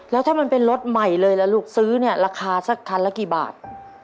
แล้วถ้ามันเป็นรถใหม่เลยล่ะลูกซื้อเนี่ยราคาสักคันละกี่บาท